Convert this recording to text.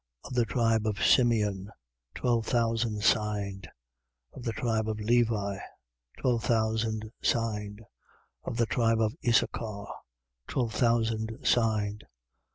Of the tribe of Simeon, twelve thousand signed: Of the tribe of Levi, twelve thousand signed: Of the tribe of Issachar, twelve thousand signed: 7:8.